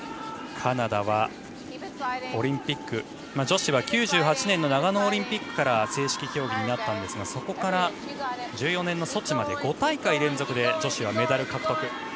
カナダは女子は９８年の長野オリンピックから正式競技になったんですがそこから１４年のソチまで５大会連続で女子はメダル獲得。